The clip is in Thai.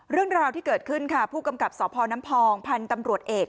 เรื่องราวที่เกิดขึ้นค่ะผู้กำกับสพน้ำพองพันธุ์ตำรวจเอก